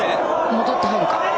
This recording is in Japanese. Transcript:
戻って入るか？